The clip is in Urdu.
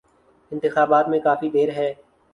انتخابات میں کافی دیر ہے۔